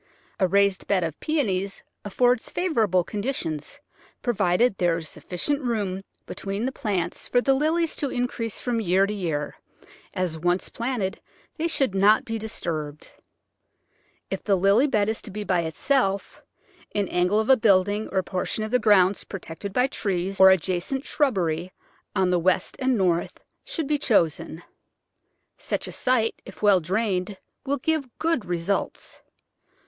A raised bed of Peonies affords favourable 179 Digitized by Google 180 The Flower Garden [Chapter conditions, provided there is sufficient room between the plants for the Lilies to increase from year to year, as once planted they should not be disturbed. If the Lily bed is to be by itself an angle of a building, or a portion of the grounds protected by trees, or adjacent shrubbery, on the west and north, should be chosen. Such a site, if well drained, will give good results.